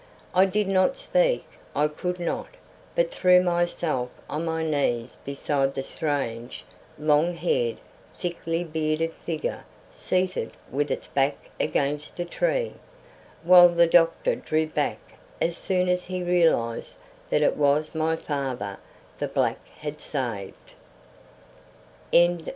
I did not speak I could not, but threw myself on my knees beside the strange, long haired, thickly bearded figure seated with its back against a tree, while the doctor drew back as soon as he realised that it was my father the black had saved.